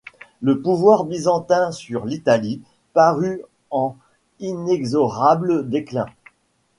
Le pouvoir byzantin sur l’Italie parut en inexorable déclin.